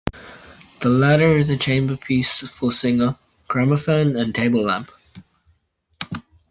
The latter is a chamber piece for singer, gramophone and table lamp.